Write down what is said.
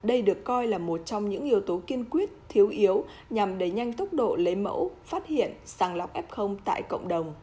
đây được coi là một trong những yếu tố kiên quyết thiếu yếu nhằm đẩy nhanh tốc độ lấy mẫu phát hiện sàng lọc f tại cộng đồng